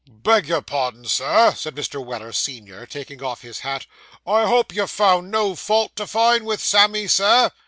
'Beg your pardon, sir,' said Mr. Weller, senior, taking off his hat, 'I hope you've no fault to find with Sammy, Sir?